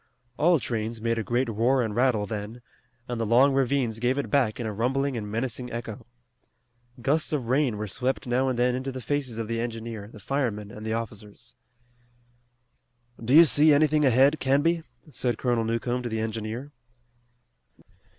All trains made a great roar and rattle then, and the long ravines gave it back in a rumbling and menacing echo. Gusts of rain were swept now and then into the faces of the engineer, the firemen and the officers. "Do you see anything ahead, Canby?" said Colonel Newcomb to the engineer.